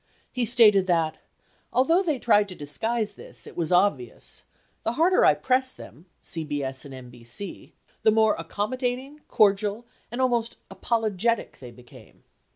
He stated that, "although they tried to disguise this, it was obvious. The harder I pressed them (CBS and NBC) the more accommodating, cordial, and almost apologetic they became."